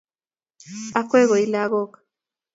Akwek oi lagook